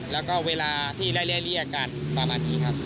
แล้วก็เวลาที่ไล่เลี่ยกันประมาณนี้ครับ